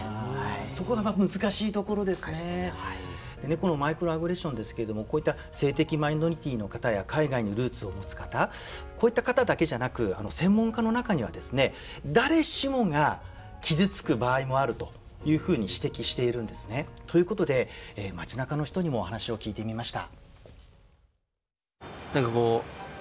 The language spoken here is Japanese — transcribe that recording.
このマイクロアグレッションですけれどもこういった性的マイノリティーの方や海外のルーツを持つ方こういった方だけじゃなく専門家の中にはですね誰しもが傷つく場合もあるというふうに指摘しているんですね。ということで街なかの人にも話を聞いてみました。